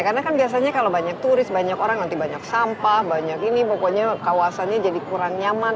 karena kan biasanya kalau banyak turis banyak orang nanti banyak sampah banyak ini pokoknya kawasannya jadi kurang nyaman